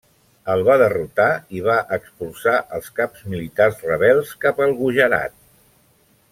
El va derrotar i va expulsar als caps militars rebels cap al Gujarat.